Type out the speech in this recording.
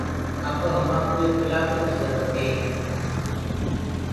اَب همآنڪوٚ ايڪَ پِلآٽو ڪيٚ جروٚرت هي۔